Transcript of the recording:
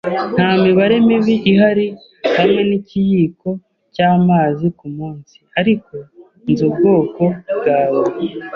nta mibare mibi ihari hamwe n'ikiyiko cy'amazi kumunsi. Ariko nzi ubwoko bwawe